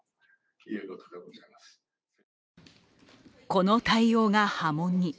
この対応が波紋に。